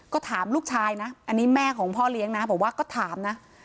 ก็ถามลูกชายนะอันนี้แม่ของพ่อเลี้ยงนะบอกว่าก็ถามนะ